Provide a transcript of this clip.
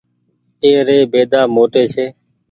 اي ري بيدآ موٽي ڇي۔